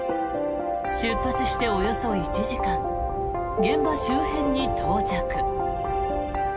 出発しておよそ１時間現場周辺に到着。